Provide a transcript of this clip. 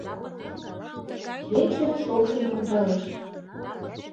Кече шокшын ончалеш